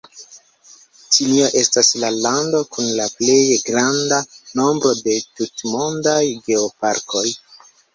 Ĉinio estas la lando kun la plej granda nombro de tutmondaj geoparkoj.